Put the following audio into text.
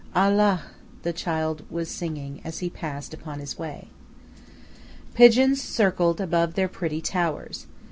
"Allah!" the child was singing as he passed upon his way. Pigeons circled above their pretty towers.